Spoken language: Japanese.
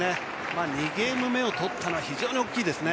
２ゲーム目を取ったのは非常に大きいですね。